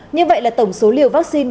như vậy là tổng số liều vaccine